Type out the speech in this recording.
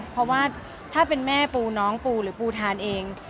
เพราะว่าถ้าเป็นแม่ปูน้องปูหรือปูทานเอง